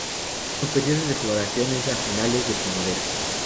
Su periodo de floración es a finales de primavera.